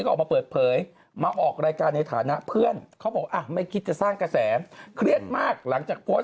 เราเป็นญาติกันหรือเปล่าทำไมเรียกฉันบ้าน